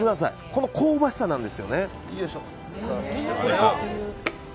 この香ばしさなんですよね。